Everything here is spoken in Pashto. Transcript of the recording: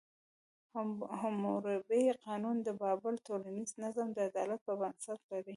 حموربي قانون د بابل ټولنیز نظم د عدالت په بنسټ لري.